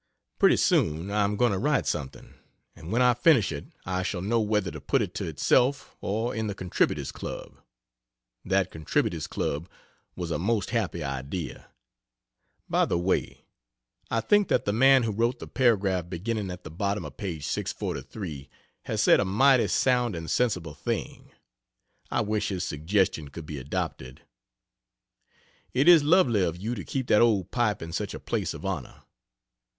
Pretty soon, I am going to write something, and when I finish it I shall know whether to put it to itself or in the "Contributors' Club." That "Contributors' Club" was a most happy idea. By the way, I think that the man who wrote the paragraph beginning at the bottom of page 643 has said a mighty sound and sensible thing. I wish his suggestion could be adopted. It is lovely of you to keep that old pipe in such a place of honor.